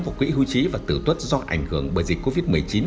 vào quỹ hưu trí và tử tuất do ảnh hưởng bởi dịch covid một mươi chín